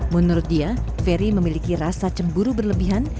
menurut dia ferry memiliki rasa cemburu berlebihan